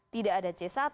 tidak ada c satu